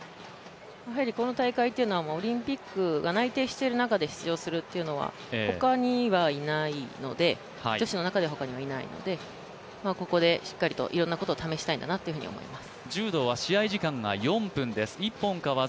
この大会はオリンピックが内定している中で出場するというのは女子の中ではほかにはいないので、ここでしっかりと、いろんなことを試したいんだなと思います。